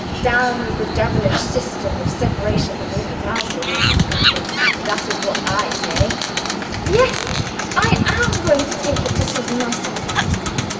Down with the devilish system of separation between the classes in this country that is what I say! "Yes; I am going to take it to Susan myself."